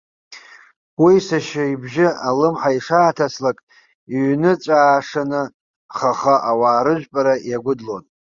Уи сашьа ибжьы алымҳа ишааҭаслак, иҩныҵәаашаны хаха ауаа рыжәпара иагәыдлон.